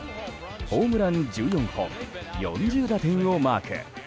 ホームラン１４本４０打点をマーク。